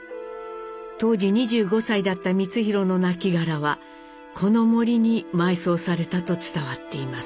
当時２５歳だった光宏のなきがらはこの森に埋葬されたと伝わっています。